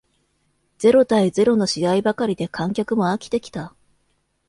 ゼロ対ゼロの試合ばかりで観客も飽きてきた